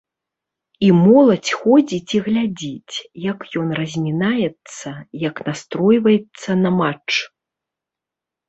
І моладзь ходзіць і глядзіць, як ён размінаецца, як настройваецца на матч.